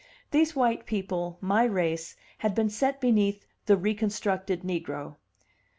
These white people, my race, had been set beneath the reconstructed negro.